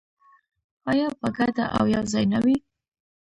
آیا په ګډه او یوځای نه وي؟